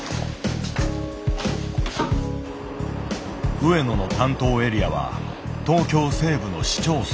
上野の担当エリアは東京西部の市町村。